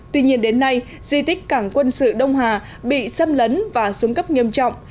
tuy nhiên đến nay di tích cảng quân sự đông hà bị xâm lấn và xuống cấp nghiêm trọng